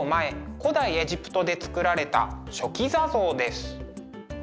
古代エジプトで作られた「書記座像」です。